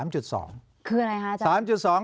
คืออะไรคะอาจารย์